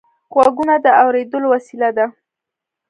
غوږونه د اورېدلو وسیله ده